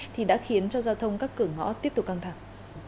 thì đã khiến cho giao thông các cửa ngõ tiếp tục căng thẳng